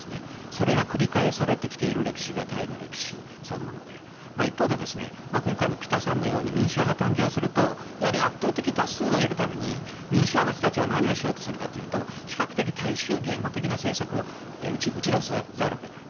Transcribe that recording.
それが繰り返されてきているのがタイの歴史そのもので一方で今回のピタさんのように民主派が誕生するとやはり圧倒的多数を得るために民主派の人たちは何をしようとするかというと比較的、大衆迎合的な政策を打ち出さざるを得ない。